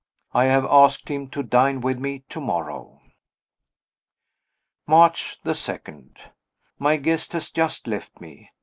I have asked him to dine with me to morrow. March 2. My guest has just left me.